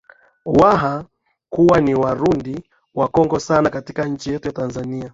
Waha kuwa ni Warundi wacongo sana katika nchi yetu ya Tanzania